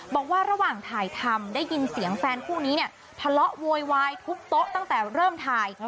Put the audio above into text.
บอกว่าระหว่างถ่ายทำได้ยินเสียงแฟนคู่นี้เนี่ยทะเลาะโวยวายทุบโต๊ะตั้งแต่เริ่มถ่าย